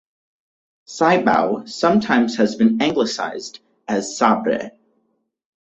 "Saibao" has sometimes been anglicized as "Sabre".